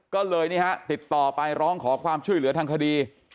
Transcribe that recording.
ก็เลยนี่ฮะติดต่อไปร้องขอความช่วยเหลือทางคดี